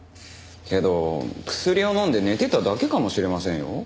けど薬を飲んで寝てただけかもしれませんよ。